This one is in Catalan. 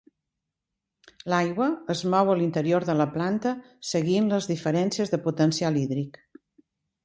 L'aigua es mou a l'interior de la planta seguint les diferències de potencial hídric.